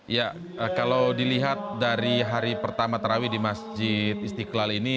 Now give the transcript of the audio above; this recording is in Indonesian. ya kalau dilihat dari hari pertama tarawih di masjid istiqlal ini